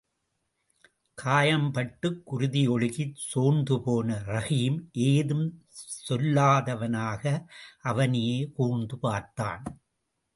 காயம்பட்டுக் குருதி யொழுகிச் சோர்ந்துபோன ரஹீம் ஏதும் சொல்லாதவனாக அவனையே கூர்ந்து பார்த்தான்.